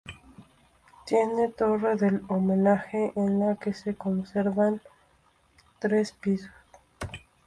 Tiene torre del homenaje en la que se conservan tres pisos.